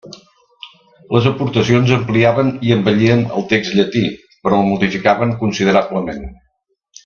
Les aportacions ampliaven i embellien el text llatí, però el modificaven considerablement.